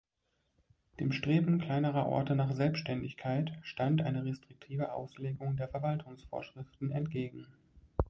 Dem Streben kleinerer Orte nach Selbständigkeit stand eine restriktive Auslegung der Verwaltungsvorschriften entgegen.